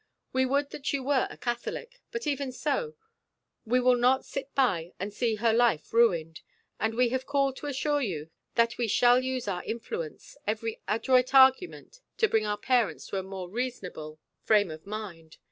We would that you were a Catholic, but even so, we will not sit by and see her life ruined, and we have called to assure you that we shall use all our influence, every adroit argument, to bring our parents to a more reasonable frame of mind.